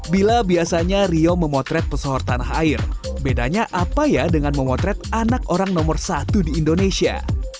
bila biasanya rio memotret pesohor tanah air bedanya apa ya dengan memotret anak orang nomor satu di indonesia